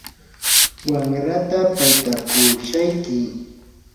wamrataa paytakushayki.